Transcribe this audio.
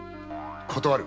断る！